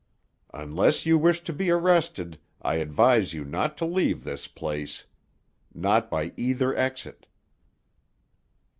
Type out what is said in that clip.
"Unless you wish to be arrested, I advise you not to leave this place. Not by either exit."